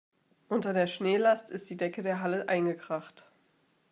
Unter der Schneelast ist die Decke der Halle eingekracht.